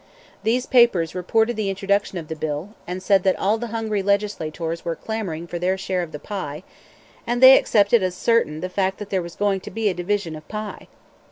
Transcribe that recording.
These papers reported the introduction of the bill, and said that "all the hungry legislators were clamoring for their share of the pie"; and they accepted as certain the fact that there was going to be a division of "pie."